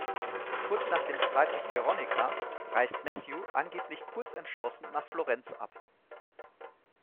Kurz nach einem Streit mit Veronica reist Matthew angeblich kurzentschlossen nach Florenz ab.